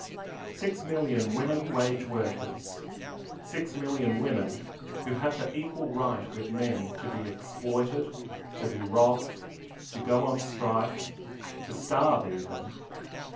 Six million women wage workers; six million women, who have the equal right with men to be exploited, to be robbed, to go on strike; aye, to starve even.